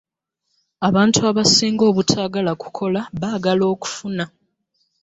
abantu abasinga obutaagala kukola baagala okufuna.